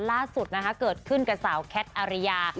ล่าสุดนะคะเกิดขึ้นกับสาวแคทอาริยา